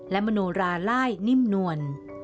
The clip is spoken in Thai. และมโนราล่ายนิ่มนวล